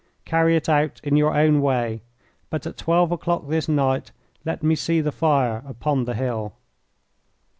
Carry it out in your own way, but at twelve o'clock this night let me see the fire upon the hill."